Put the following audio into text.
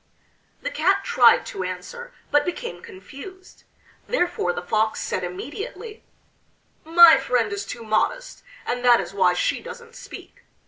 The Cat tried to answer but became confused. Therefore the Fox said immediately: "My friend is too modest, and that is why she doesn't speak.